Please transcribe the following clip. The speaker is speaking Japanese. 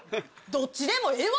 どっちでもええわ